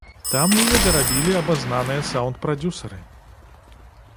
Там яе дарабілі абазнаныя саўнд-прадзюсары.